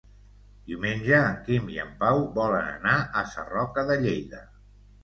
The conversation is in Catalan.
Diumenge en Quim i en Pau volen anar a Sarroca de Lleida.